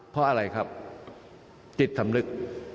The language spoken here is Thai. เพราะอะไรครับจิตสำนึก